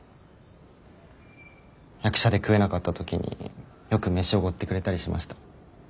役者で食えなかった時によくメシおごってくれたりしました。